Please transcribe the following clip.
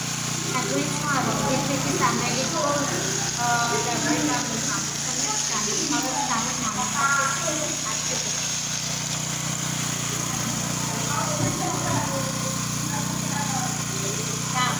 საგულისხმოა, რომ ფირფიტის ამერიკულ და ბრიტანულ გამოცემებს განასხვავებს თავად მამაკაცის ატრიბუტიკა.